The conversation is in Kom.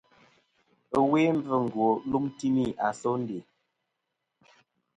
Ɨwe mbvɨngo lum timi a sondè.